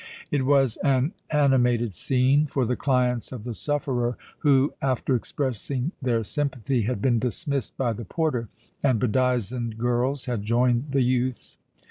It was an animated scene, for the clients of the sufferer, who, after expressing their sympathy, had been dismissed by the porter, and bedizened girls had joined the youths.